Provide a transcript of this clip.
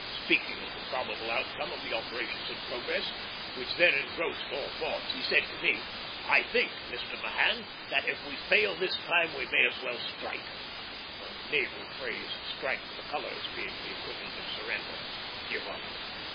Speaking of the probable outcome of the operations in progress, which then engrossed all thoughts, he said to me, "I think, Mr. Mahan, that if we fail this time, we may as well strike"; the naval phrase "strike the colors" being the equivalent of surrender give up.